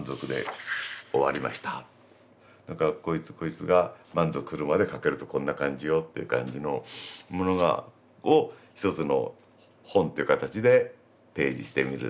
何かこいつが満足するまで駆けるとこんな感じよっていう感じのものを一つの本っていう形で提示してみる